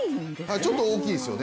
ちょっと大きいですね。